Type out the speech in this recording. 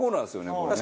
これね。